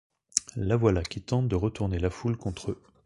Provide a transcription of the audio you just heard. La voilà qui tente de retourner la foule contre eux.